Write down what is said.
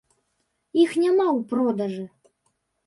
Іх няма ў продажы.